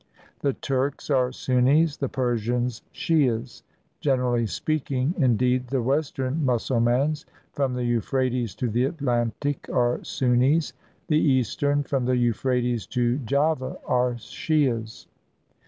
The Turks are Sunnis, the Persians Shiahs — generally speaking, indeed, the west ern Mussulmans, from the Euphrates to the Atlantic, are Sunnis ; the eastern, from the Euphrates to Java, are Shiahs.